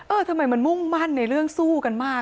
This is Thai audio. ทำไมมันมุ่งมั่นในเรื่องสู้กันมาก